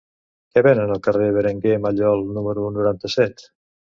Què venen al carrer de Berenguer Mallol número noranta-set?